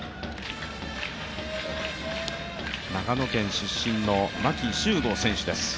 長野県出身の牧秀悟選手です。